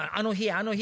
あの日？